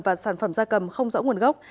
và sản phẩm da cầm không rõ nguồn gốc